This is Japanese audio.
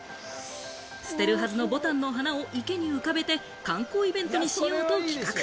捨てるはずの牡丹の花を池に浮かべて観光イベントにしようと企画。